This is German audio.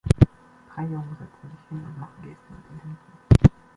Drei Jungen setzen sich hin und machen Gesten mit den Händen.